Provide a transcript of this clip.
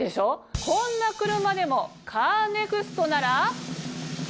こんな車でもカーネクストなら。